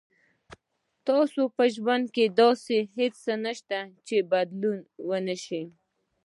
تاسو په ژوند کې داسې هیڅ څه نشته چې بدلون نه شي.